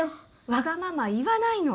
わがまま言わないの。